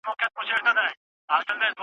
د خان ورور هغه تعویذ وو پرانیستلی ,